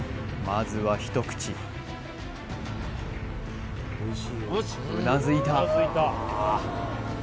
まずは一口うなずいた